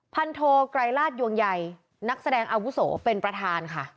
โทไกรราชยวงใหญ่นักแสดงอาวุโสเป็นประธานค่ะ